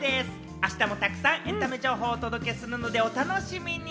あしたもたくさんエンタメ情報をお届けするのでお楽しみに。